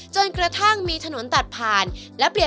เช่นอาชีพพายเรือขายก๋วยเตี๊ยว